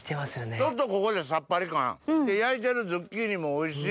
ちょっとここでサッパリ感焼いてるズッキーニもおいしい。